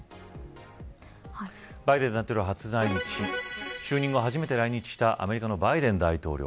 バイデン大統領、初来日就任後、初めて来日したアメリカのバイデン大統領。